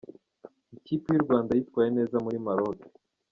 Ikipi y’u Rwanda yitwaye neza muri Maroke